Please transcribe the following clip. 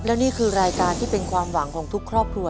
และนี่คือรายการที่เป็นความหวังของทุกครอบครัว